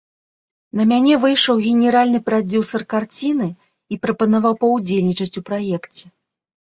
На мяне выйшаў генеральны прадзюсар карціны і прапанаваў паўдзельнічаць у праекце.